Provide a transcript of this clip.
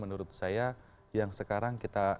menurut saya yang sekarang kita